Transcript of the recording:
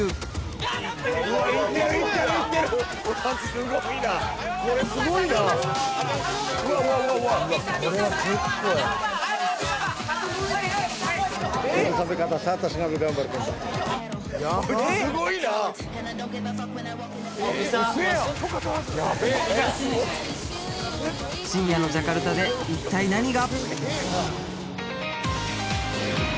やばこいつすごいな深夜のジャカルタで一体何が！？